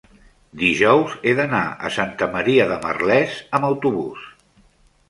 dijous he d'anar a Santa Maria de Merlès amb autobús.